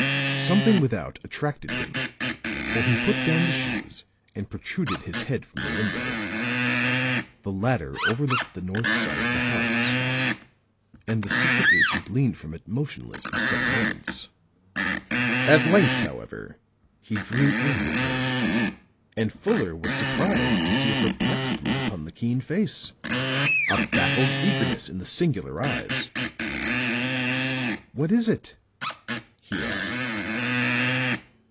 Something without attracted him, for he put down the shoes and protruded his head from the window. The latter overlooked the north side of the house; and the secret agent leaned from it motionless for some moments. At length, however, he drew in his head, and Fuller was surprised to see a perplexed look upon the keen face, a baffled eagerness in the singular eyes. "What is it?" he asked.